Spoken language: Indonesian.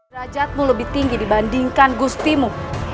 derajatmu lebih tinggi dibandingkan gustimu